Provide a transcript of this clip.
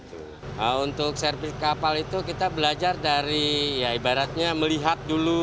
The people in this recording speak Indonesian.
untuk servis kapal itu kita belajar dari ya ibaratnya melihat dulu